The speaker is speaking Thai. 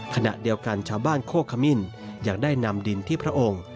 ขณะเดียวกันชาวบ้านโคขมิ้นยังได้นำดินที่พระองค์